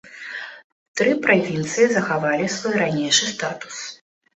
Тры правінцыі захавалі свой ранейшы статус.